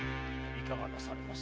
いかがなされますか？